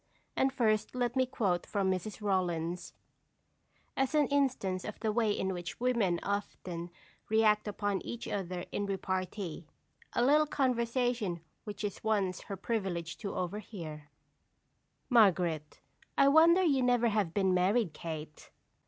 And first let me quote from Mrs. Rollins, as an instance of the way in which women often react upon each other in repartee, a little conversation which it was once her privilege to overhear: "Margaret. I wonder you never have been married, Kate.